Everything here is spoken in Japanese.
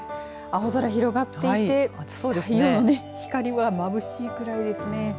青空広がっていて太陽の光がまぶしいぐらいです。